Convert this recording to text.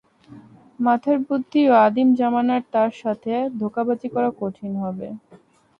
মাথার বুদ্ধিও আদিম জামানার, তার সাথে ধোঁকাবাজি করা কঠিন হবে।